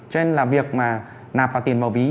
cho nên là việc mà nạp vào tiền vào ví